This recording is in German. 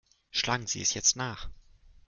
Schlagen Sie es jetzt nach!